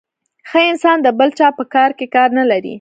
ښه انسان د بل چا په کار کي کار نلري .